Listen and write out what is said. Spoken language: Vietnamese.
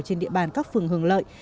trên địa bàn các phường hưởng lợi